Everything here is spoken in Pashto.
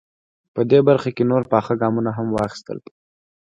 په دې برخه کې نور پاخه ګامونه هم واخیستل.